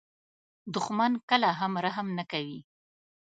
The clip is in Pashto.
دښمن کله هم رحم نه کوي